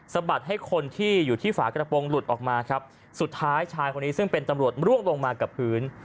บัดให้คนที่อยู่ที่ฝากระโปรงหลุดออกมาครับสุดท้ายชายคนนี้ซึ่งเป็นตำรวจร่วงลงมากับพื้น